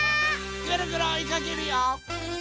ぐるぐるおいかけるよ！